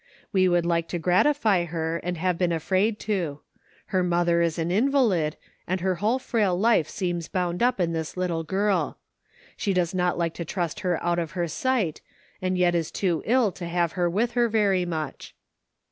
We would like to gratify her and have been afraid to. Her mother is an invalid, and her whole frail life seems bound up in this little girl ; she does not like to trust her out of her sight, and yet is too ill to have her with her very much.